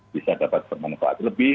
bisa dapat bermanfaat lebih